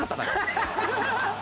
ハハハハ！